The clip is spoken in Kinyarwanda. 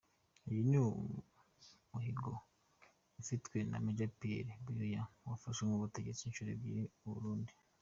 Uyu ni umuhigo ufitwe na Major Pierre Buyoya wafashe ubutegetsi inshuro ebyiri mu Burundi.